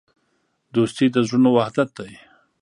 دوستي د زړونو وحدت دی.